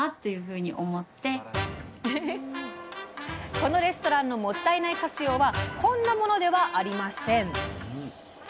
このレストランのもったいない活用はこんなものではありません。